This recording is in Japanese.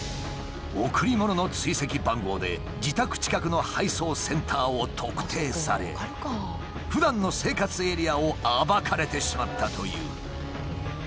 贈り物の追跡番号で自宅近くの配送センターを特定されふだんの生活エリアを暴かれてしまったという。